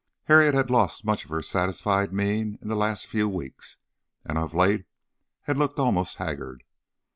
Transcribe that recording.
Harriet had lost much of her satisfied mien in the last few weeks, and of late had looked almost haggard.